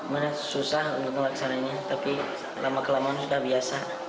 mana susah untuk ngelaksananya tapi lama kelamaan sudah biasa